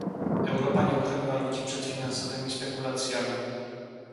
Europa nie uchroniła ludzi przed finansowymi spekulacjami